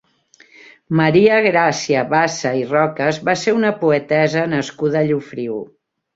Maria Gràcia Bassa i Rocas va ser una poetessa nascuda a Llofriu.